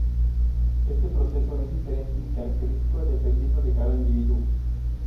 Este proceso es diferente y característico dependiendo de cada individuo.